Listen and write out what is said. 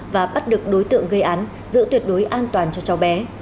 và bắt được đối tượng gây án giữ tuyệt đối an toàn cho cháu bé